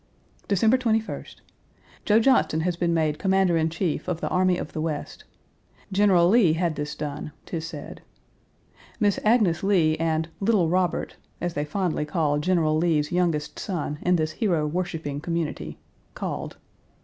December 21st. Joe Johnston has been made Commander in chief of the Army of the West. General Lee had this done, `tis said. Miss Agnes Lee and "little Robert" (as they fondly call General Lee's youngest son in this hero worshiping community) called.